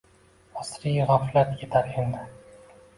Asriy g’aflat yetar endi